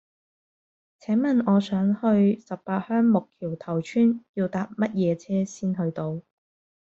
請問我想去十八鄉木橋頭村要搭乜嘢車先去到